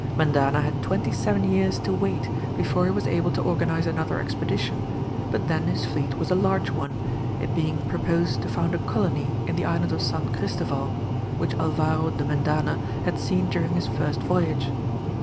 Mendana had twenty seven years to wait before he was able to organize another expedition, but then his fleet was a large one, it being proposed to found a colony in the island of San Christoval which Alvaro de Mendana had seen during his first voyage.